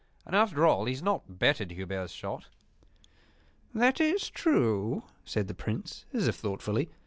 "And after all, he has not bettered Hubert's shot." "That is true," said the Prince, as if thoughtfully.